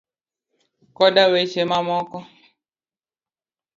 koda weche mamoko.